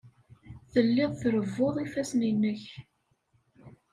Telliḍ trebbuḍ ifassen-nnek.